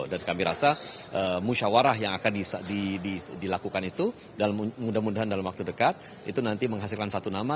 dan kami rasa musyawarah yang akan dilakukan itu mudah mudahan dalam waktu dekat itu nanti menghasilkan satu nama